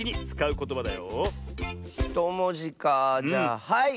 １もじかじゃあはい！